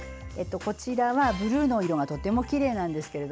こちらは、ブルーの色がとてもきれいなんですが。